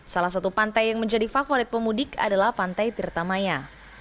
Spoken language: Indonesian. salah satu pantai yang menjadi favorit pemudik adalah pantai tirtamaya